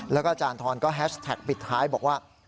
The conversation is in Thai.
แล้วก็อาจารย์ทรก็แฮชแท็กปิดท้ายบอกว่า